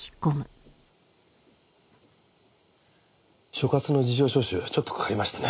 所轄の事情聴取ちょっとかかりましたね。